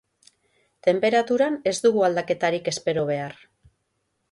Tenperaturan ez dugu aldaketarik espero behar.